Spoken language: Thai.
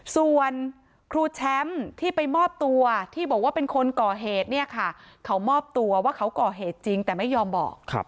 ส่วนครูแชมป์ที่ไปมอบตัวที่บอกว่าเป็นคนก่อเหตุเนี่ยค่ะเขามอบตัวว่าเขาก่อเหตุจริงแต่ไม่ยอมบอก